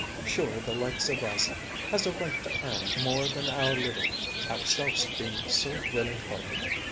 Sure the likes of us has a right to earn more than our living, ourselves being so willing hearted.